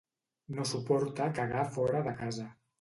No suporta cagar fora de casa.